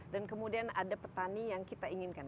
dan kemudian ada petani yang kita inginkan